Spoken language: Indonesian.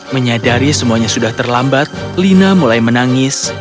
menyadari semuanya sudah terlambat lina mulai menangis